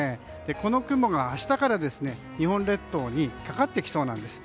この雲が明日から日本列島にかかってきそうなんです。